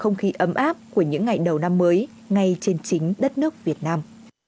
không khí ấm áp của những ngày đầu năm mới ngay trên chính đất nước việt nam